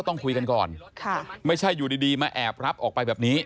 อย่าอย่าอย่าอย่าอย่าอย่าอย่าอย่าอย่าอย่าอย่าอย่า